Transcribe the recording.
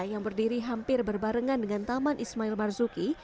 yang berdiri hampir berbarengan dengan taman ismail marzuki